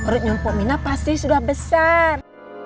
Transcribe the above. rute nyumpuk mina pasti sudah besar